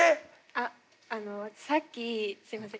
ああのさっきすいません